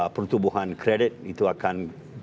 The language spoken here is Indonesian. pertumbuhan kredit itu akan delapan sepuluh